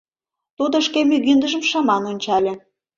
Тудо шке мӱгиндыжым шыман ончале.